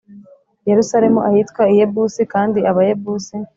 Yerusalemu ahitwa i yebusi kandi abayebusi